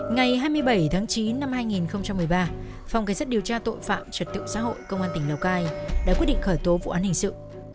ngày hai mươi bảy tháng chín năm hai nghìn một mươi ba phòng cảnh sát điều tra tội phạm trật tự xã hội công an tỉnh lào cai đã quyết định khởi tố vụ án hình sự